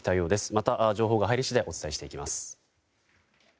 また情報が入り次第お伝えしていきます。